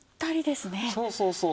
そうそうそう。